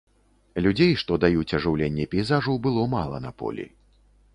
Людзей, што даюць ажыўленне пейзажу, было мала на полі.